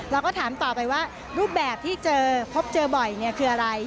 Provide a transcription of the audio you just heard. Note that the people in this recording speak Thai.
เราก็ถามต่อไปว่ารูปแบบที่เจอพบเจอบ่อยคืออะไร